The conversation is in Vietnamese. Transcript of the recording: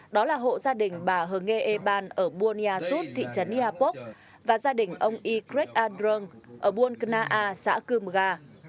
đó là hộ gia đình bà hờ nghê ê ban ở buôn nha xuất thị trấn yà pốc và gia đình ông y craig a drung ở buôn kna a xã cươm ga